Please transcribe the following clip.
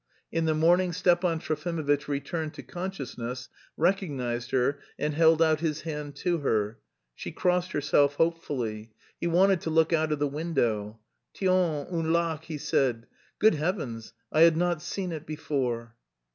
In the morning Stepan Trofimovitch returned to consciousness, recognised her, and held out his hand to her. She crossed herself hopefully. He wanted to look out of the window. "Tiens, un lac!" he said. "Good heavens, I had not seen it before!..."